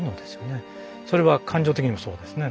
それは感情的にもそうですね。